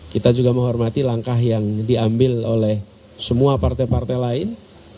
kita juga menghormati langkah yang diambil oleh semua partai partai lain